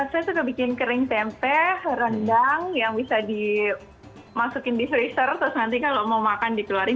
saya suka bikin kering tempe rendang yang bisa dimasukin di freezer terus nanti kalau mau makan dikeluarin